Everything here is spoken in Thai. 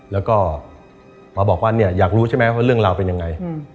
แล้วก็มาบอกว่าเนี่ยอยากรู้ใช่ไหมว่าเรื่องราวเป็นยังไง